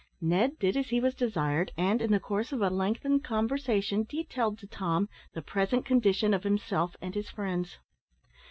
Ned did as he was desired; and, in the course of a lengthened conversation, detailed to Tom the present condition of himself and his friends.